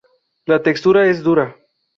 La textura es dura.